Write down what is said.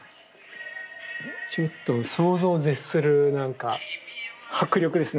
ちょっと想像を絶するなんか迫力ですね